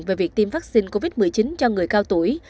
về việc tiêm vaccine covid một mươi chín cho người cao tuổi